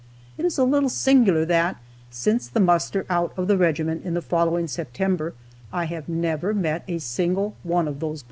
It is a little singular that, since the muster out of the regiment in the following September, I have never met a single one of these boys.